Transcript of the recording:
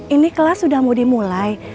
ini kelas sudah mau dimulai